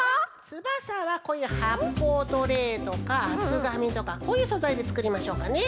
つばさはこういうはっぽうトレーとかあつがみとかこういうそざいでつくりましょうかね。